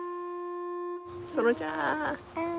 園ちゃん。